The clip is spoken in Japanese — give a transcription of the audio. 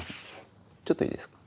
ちょっといいですか？